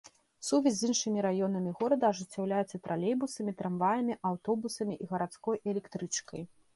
Сувязь з іншымі раёнамі горада ажыццяўляецца тралейбусамі, трамваямі, аўтобусамі і гарадской электрычкай.